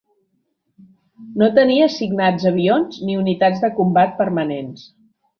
No tenia assignats avions ni unitats de combat permanents.